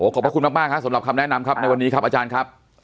ขอบพระคุณมากครับสำหรับคำแนะนำครับในวันนี้ครับอาจารย์ครับ